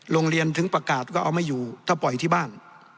โรงเรียนถึงประกาศก็เอาไม่อยู่ถ้าปล่อยที่บ้าน